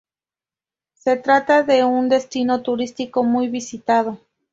Se trata de un destino turístico muy visitado.